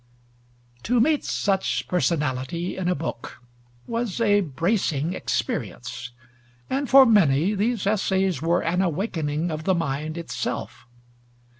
To meet such personality in a book was a bracing experience; and for many these essays were an awakening of the mind itself.